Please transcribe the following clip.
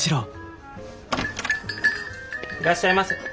いらっしゃいませ。